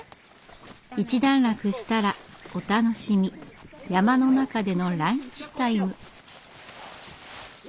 一段落したらお楽しみ山の中でのランチタイム。